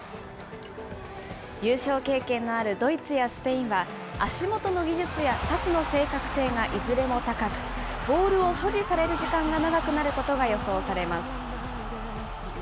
優勝経験のあるドイツやスペインは、足元の技術やパスの正確性がいずれも高く、ボールを保持される時間が長くなることが予想されます。